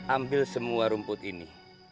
ambil semua rumput ini